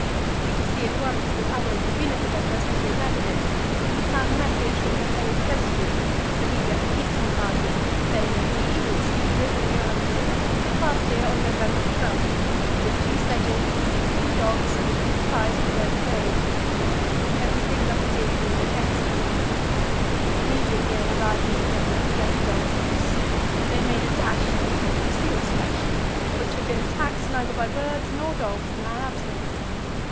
We could see at once that others had been at the depot since we had left it, and we found a message from Lieutenant Prestrud, the leader of the eastern party, saying that he, with Stubberud and Johansen, had passed here on November 12, with two sledges, sixteen dogs, and supplies for thirty days. Everything thus appeared to be in the best of order. Immediately on arriving at the depot we let the dogs loose, and they made a dash for the heap of seal's flesh, which had been attacked neither by birds nor dogs in our absence.